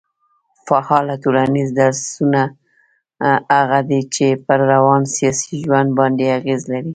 فعاله ټولنيز درځونه هغه دي چي پر روان سياسي ژوند باندي اغېز لري